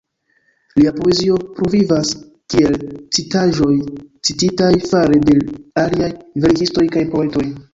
Lia poezio pluvivas kiel citaĵoj cititaj fare de aliaj verkistoj kaj poetoj.